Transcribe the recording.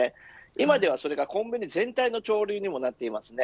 今ではそれがコンビニ全体の潮流にもなっています。